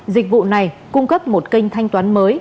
dịch vụ này cung cấp một kênh thanh toán mới